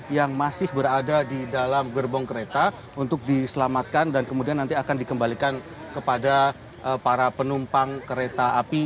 yang masih berada di dalam gerbong kereta untuk diselamatkan dan kemudian nanti akan dikembalikan kepada para penumpang kereta api